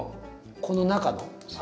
この中の？